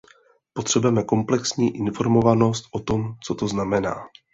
Potřebujeme komplexní informovanost o tom, co to znamená.